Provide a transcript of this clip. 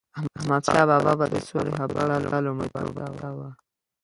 احمدشاه بابا به د سولي خبرو ته لومړیتوب ورکاوه.